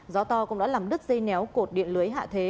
gió to cũng đã làm đứt dây néo cột điện lưới hạ thế